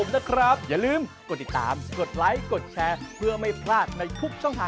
เตาเหงา